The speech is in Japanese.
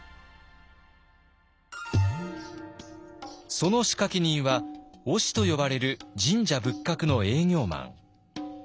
その仕掛け人は御師と呼ばれる神社仏閣の営業マン。